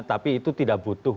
tapi itu tidak butuh